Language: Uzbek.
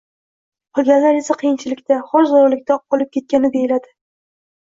qolganlar esa qiyinchilikda, xor-zorlikda qolib ketadi degani.